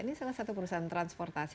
ini salah satu perusahaan transportasi